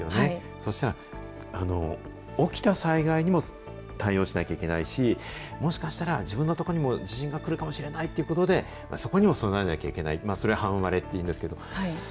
そうしたら起きた災害にも対応しなきゃいけないし、もしかしたら、自分のところにも地震が来るかもしれないということで、そこにも備えなきゃいけない、それははんわれっていうんですけど。